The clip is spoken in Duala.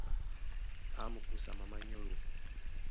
A mukúsa mamá nyólo.